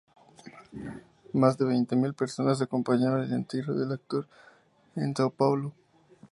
Más de veinte mil personas acompañaron el entierro del actor en São Paulo.